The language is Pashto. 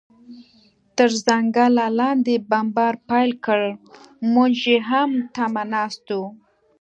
تر ځنګله لاندې بمبار پیل کړ، موږ یې هم تمه ناست و.